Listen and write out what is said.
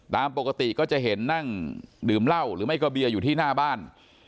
ตามปกติก็จะเห็นนั่งดื่มเหล้าหรือไม่ก็เบียร์อยู่ที่หน้าบ้าน